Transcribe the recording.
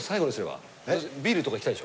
ビールとかいきたいでしょ？